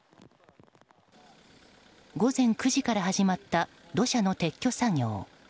午前９時から始まった土砂の撤去作業。